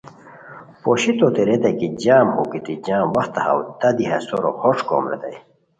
پوشی توتے ریتائے کی جم ہو گیتی، جم وختہ ہاؤ تہ دی ہیہ سورو ہوݯ کوم ریتائے